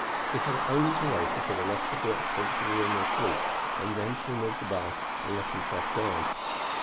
He had only to wait until the rest of the occupants of the room were asleep and then to remove the bar and let himself down.